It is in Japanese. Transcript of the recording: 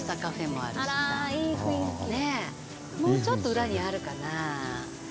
もうちょっと裏にあるかな？